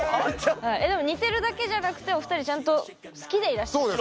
でも似てるだけじゃなくてお二人ちゃんと好きでいらっしゃるんですよね？